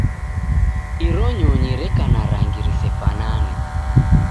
Iri nyonyi reka na rangi risefanane.